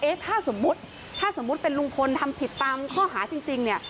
ถ้าสมมุติถ้าสมมุติเป็นลุงพลทำผิดตามข้อหาจริงเนี่ย